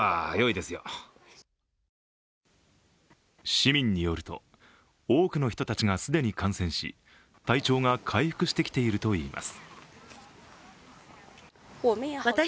市民によると、多くの人たちが既に感染し体調が回復してきているといいます。